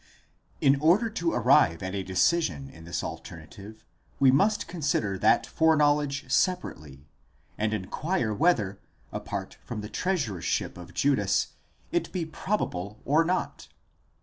605 In order to arrive at a decision in this alternative, we must consider that foreknowledge separately, and inquire whether, apart from the treasurership of Judas, it be probable or not?